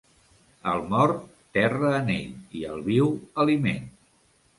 Al mort, terra en ell, i al viu, aliment.